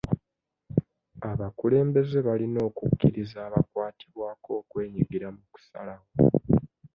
Abakulembeze balina okukkiriza abakwatibwako okwenyigira mu kusalawo.